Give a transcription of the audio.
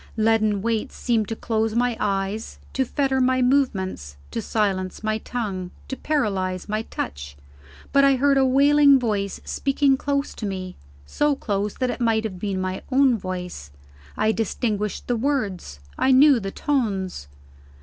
Leaden weights seemed to close my eyes, to fetter my movements, to silence my tongue, to paralyze my touch. But I heard a wailing voice, speaking close to me, so close that it might have been my own voice: I distinguished the words; I knew the tones.